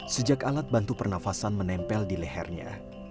sejak alat bantu pernafasan menempel di lehernya